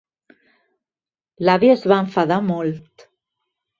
L'àvia es va enfadar molt.